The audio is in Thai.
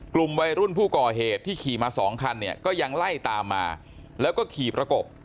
กลุ่มวัยรุ่นผู้ก่อเหตุที่ขี่มาสองคันเนี่ยก็ยังไล่ตามมาแล้วก็ขี่ประกบ